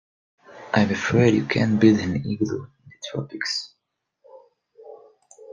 I'm afraid you can't build an igloo in the tropics.